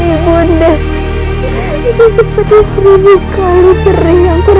ibu nang tidak ingin